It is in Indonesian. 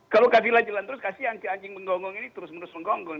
kalau kafilah jalan terus kasih anjing menggonggong ini terus menerus menggonggong